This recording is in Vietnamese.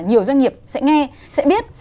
nhiều doanh nghiệp sẽ nghe sẽ biết